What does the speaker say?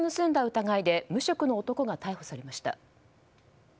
疑いで無職の男が逮捕されました。